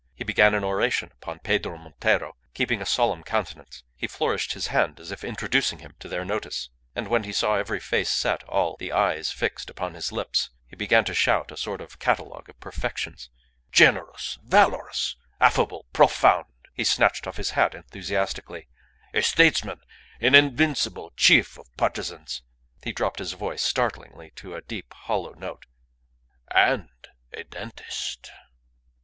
He began an oration upon Pedro Montero, keeping a solemn countenance. He flourished his hand as if introducing him to their notice. And when he saw every face set, all the eyes fixed upon his lips, he began to shout a sort of catalogue of perfections: "Generous, valorous, affable, profound" (he snatched off his hat enthusiastically) "a statesman, an invincible chief of partisans " He dropped his voice startlingly to a deep, hollow note "and a dentist."